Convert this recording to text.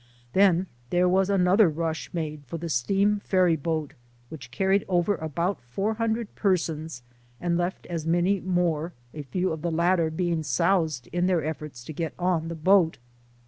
Then there was another rush made for the steam ferry boat, which carried over about 400 persons, and left as many more a few of the latter being soused in their efforts to get on the boat.